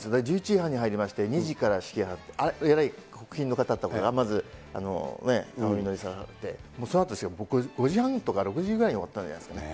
１１時半に入りまして、２時から式が始まって、国賓の方とか、いらっしゃって、そのあとですよ、５時半とか６時ぐらいに終わったんじゃないですかね。